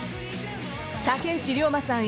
竹内涼真さん